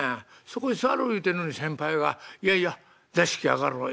そこへ座ろう言うてんのに先輩が『いやいや座敷上がろう。